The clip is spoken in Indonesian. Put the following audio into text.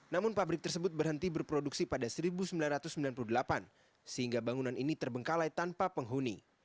namun pabrik tersebut berhenti berproduksi pada seribu sembilan ratus sembilan puluh delapan sehingga bangunan ini terbengkalai tanpa penghuni